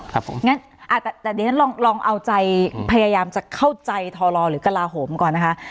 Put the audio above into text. อย่างนั้นแต่เดี๋ยวฉันลองเอาใจพยายามจะเข้าใจทรหรือกระลาโหมก่อนนะคะ